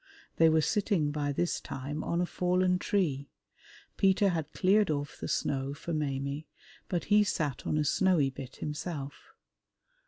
They were sitting by this time on a fallen tree; Peter had cleared off the snow for Maimie, but he sat on a snowy bit himself.